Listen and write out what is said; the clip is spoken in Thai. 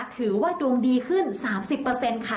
ถือว่าดวงดีขึ้น๓๐ค่ะ